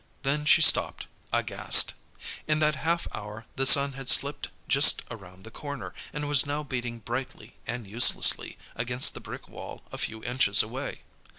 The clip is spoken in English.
Then she stopped, aghast. In that half hour the sun had slipped just around the corner, and was now beating brightly and uselessly against the brick wall a few inches away.